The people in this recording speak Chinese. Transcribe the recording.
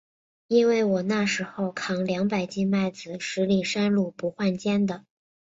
因为我那时候，扛两百斤麦子，十里山路不换肩的。